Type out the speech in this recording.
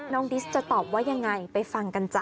ดิสจะตอบว่ายังไงไปฟังกันจ้ะ